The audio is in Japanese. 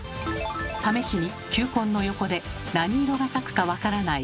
試しに球根の横で何色が咲くか分からない